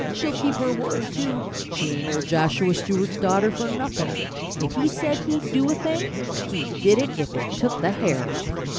She'll keep her word, too. She ain't old Joshua Stewart's daughter for nothin'. If he said he'd do a thing he did it if it tuck the hair off.